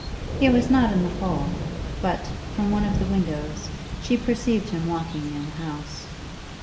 He was not in the hall; but, from one of the windows, she perceived him walking near the house.